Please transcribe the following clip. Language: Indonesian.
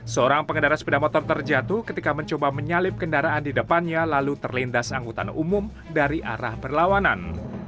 seorang pengendara sepeda motor terjatuh ketika mencoba menyalip kendaraan di depannya lalu terlindas angkutan umum dari arah berlawanan